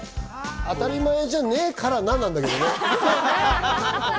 当たり前じゃねえからな、なんだけどね。